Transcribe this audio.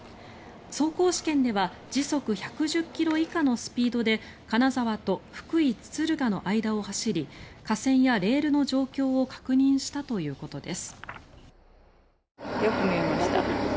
走行試験では時速１１０ｋｍ以下のスピードで金沢と福井・敦賀の間を走り架線やレールの状況を確認したということです。